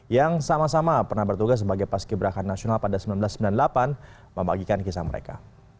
yang sama sama pernah bertugas sebagai paski beraka nasional pada seribu sembilan ratus sembilan puluh delapan membagikan kisah mereka